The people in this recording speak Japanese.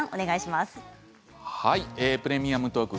「プレミアムトーク」